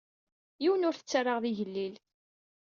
Yiwen ur t-ttarraɣ d igellil.